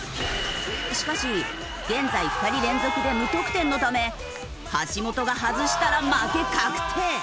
しかし現在２人連続で無得点のため橋本が外したら負け確定。